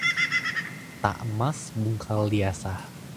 Tak emas bungkal diasah